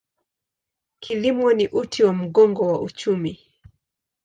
Kilimo ni uti wa mgongo wa uchumi.